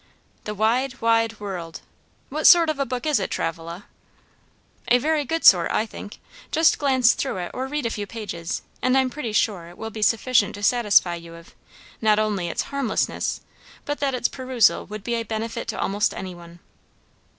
"'The Wide, Wide World!' What sort of a book is it, Travilla?" "A very good sort. I think. Just glance through it or read a few pages, and I'm pretty sure it will be sufficient to satisfy you of, not only its harmlessness, but that its perusal would be a benefit to almost any one."